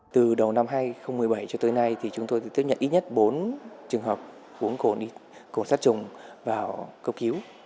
từ đầu năm hai nghìn một mươi bảy cho tới nay chúng tôi đã tiếp nhận ít nhất bốn trường hợp cuốn cồn sát trùng vào cấp cứu